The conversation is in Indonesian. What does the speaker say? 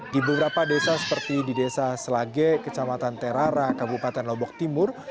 di beberapa desa seperti di desa selage kecamatan terarara kabupaten lombok timur